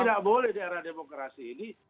tidak boleh di era demokrasi ini